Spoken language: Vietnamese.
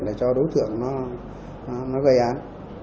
để cho đối tượng nó gây án